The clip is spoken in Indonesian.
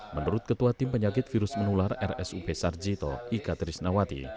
menurut ketua tim penyakit virus menular rsup sarjito ika trisnawati